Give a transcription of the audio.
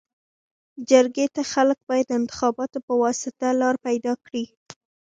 جرګي ته خلک باید د انتخاباتو پواسطه لار پيداکړي.